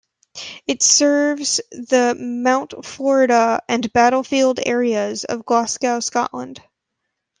It serves the Mount Florida and Battlefield areas of Glasgow, Scotland.